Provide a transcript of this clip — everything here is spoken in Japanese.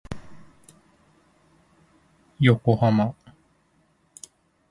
横浜